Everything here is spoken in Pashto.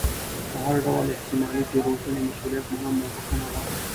د هر ډول احتمالي تېروتنې مسؤلیت منم او بښنه غواړم.